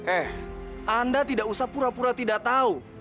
eh anda tidak usah pura pura tidak tahu